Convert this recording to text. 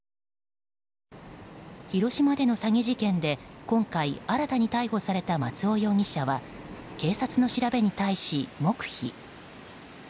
広島での詐欺事件で今回新たに逮捕された松尾容疑者は警察の調べに対し黙秘。